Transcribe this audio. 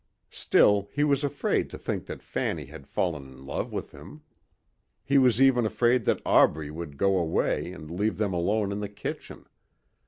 Still he was afraid to think that Fanny had fallen in love with him. He was even afraid that Aubrey would go away and leave them alone in the kitchen.